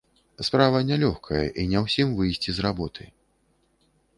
Справа не лёгкая, і не ўсім выйсці з работы.